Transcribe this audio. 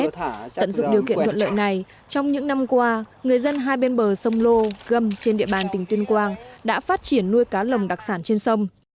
tận dụng điều kiện thuận lợi này trong những năm qua người dân hai bên bờ sông lô gâm trên địa bàn tỉnh tuyên quang đã phát triển nuôi cá lồng đặc sản trên sông